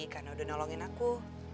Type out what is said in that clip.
karena udah nolongin aku